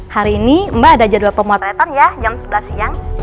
hari ini mbak ada jadwal pemotretan ya jam sebelas siang